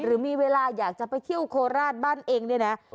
หรือมีเวลาอยากจะไปเที่ยวโคราชบ้านเองเนี่ยนะ